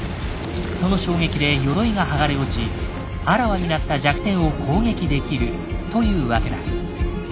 その衝撃で鎧が剥がれ落ちあらわになった弱点を攻撃できるというわけだ。